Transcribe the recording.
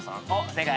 正解。